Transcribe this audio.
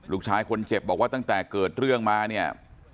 ลูกชายคนเจ็บบอกว่าตั้งแต่เกิดเรื่องมาเนี่ย